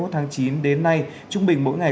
hai mươi một tháng chín đến nay trung bình mỗi ngày